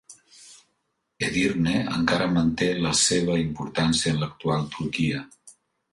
Edirne encara manté la seva importància en l'actual Turquia.